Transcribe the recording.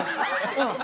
うん。